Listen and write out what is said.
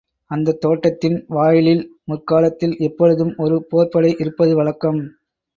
அந்தத் தோட்டத்தின் வாயிலில் முற்காலத்தில் எப்பொழுதும் ஒரு போர்ப்படை இருப்பது வழக்கம்.